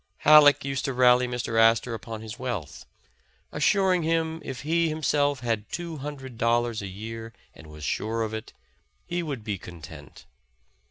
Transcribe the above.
Halleck used to rally Mr. Astor upon his wealth, as suring him if he, himself, had two hundred dollars a year and was sure of it, he would be content.